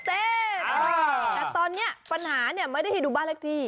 แต่ตอนนี้ปัญหาเนี่ยไม่ได้ให้ดูบ้านเลขที่